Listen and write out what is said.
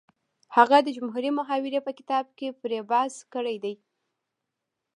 هغه د جمهوري محاورې په کتاب کې پرې بحث کړی دی